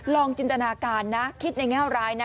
จินตนาการนะคิดในแง่ร้ายนะ